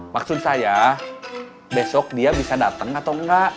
maksud saya besok dia bisa datang atau enggak